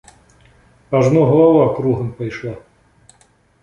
Ажно галава кругам пайшла.